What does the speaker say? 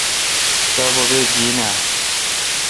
تا بوبے گین اے۔